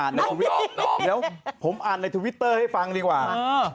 เดี๋ยวผมอ่านในทวิตเตอร์ให้ฟังดีกว่า